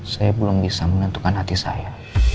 saya belum bisa menentukan hati saya